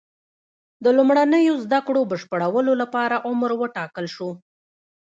د لومړنیو زده کړو بشپړولو لپاره عمر وټاکل شو.